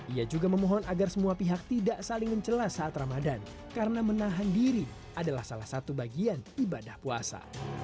ia juga memohon agar semua pihak tidak saling mencelah saat ramadan karena menahan diri adalah salah satu bagian ibadah puasa